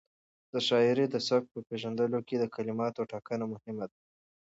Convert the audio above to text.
د شاعر د سبک په پېژندلو کې د کلماتو ټاکنه مهمه ده.